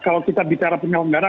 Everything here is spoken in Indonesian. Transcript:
kalau kita bicara penyelenggara